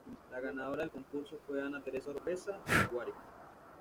La ganadora del concurso fue Ana Teresa Oropeza, Miss Guárico.